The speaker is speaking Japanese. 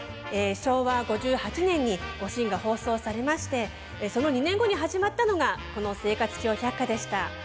昭和５８年に「おしん」が放送されましてその２年後に始まったのがこの「生活笑百科」でした。